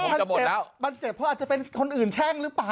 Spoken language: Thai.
มันเจ็บมันเจ็บเพราะอาจจะเป็นคนอื่นแช่งหรือเปล่า